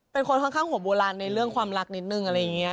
เป็นคนค่อนข้างหัวโบราณในเรื่องความรักนิดนึงอะไรอย่างนี้